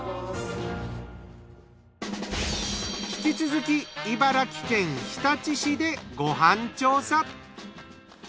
引き続き茨城県日立市でご飯調査。